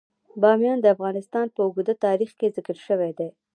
بامیان د افغانستان په اوږده تاریخ کې ذکر شوی دی.